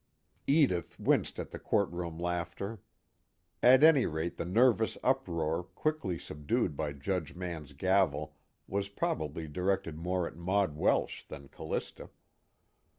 Edith winced at the courtroom laughter. At any rate the nervous uproar, quickly subdued by Judge Mann's gavel, was probably directed more at Maud Welsh than Callista.